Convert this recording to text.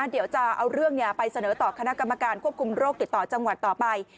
เดี๋ยวจะเอาเรื่องไปเสนอต่อคณะกรรมการควบคุมโรคติดต่อจังหวัดต่อไป